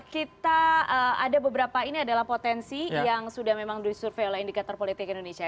kita ada beberapa ini adalah potensi yang sudah memang disurvey oleh indikator politik indonesia